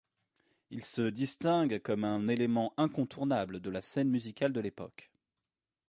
Il se distingue comme un élément incontournable de la scène musicale de l'époque.